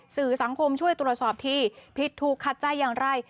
สื่อสังคมช่วยตรวจสอบทีผิดถูกขัดใจอย่างไร